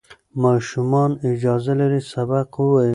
ماشومان اجازه لري سبق ووایي.